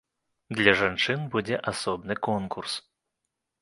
Для жанчын будзе асобны конкурс.